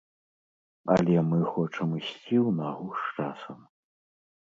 Але мы хочам ісці ў нагу з часам.